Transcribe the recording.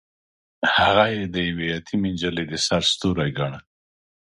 هغه يې د يوې يتيمې نجلۍ د سر سيوری ګاڼه.